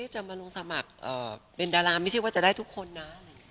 จะมาลงสมัครเป็นดาราไม่ใช่ว่าจะได้ทุกคนนะ